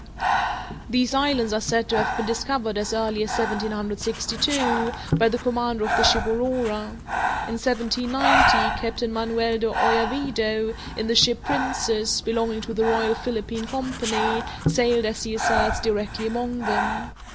These islands are said to have been discovered as early as 1762, by the commander of the ship Aurora. In 1790, Captain Manuel de Oyarvido, in the ship Princess, belonging to the Royal Philippine Company, sailed, as he asserts, directly among them.